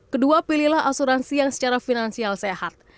kedua pilihlah asuransi yang secara finansial sehat